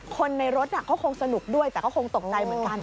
คนในรถก็คงสนุกด้วยแต่ก็คงตกใจเหมือนกัน